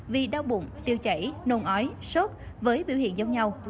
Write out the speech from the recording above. vì đau bụng tiêu chảy nôn ói sốt với biểu hiện giống nhau